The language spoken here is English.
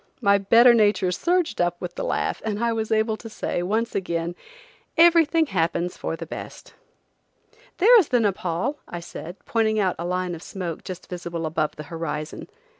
My better nature surged up with the laugh, and I was able to say, once again: "Everything happens for the best." "There is the Nepaul," I said, pointing out a line of smoke just visible above the horizon.